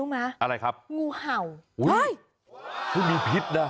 อุ้ยยังมันมีพิฯนะ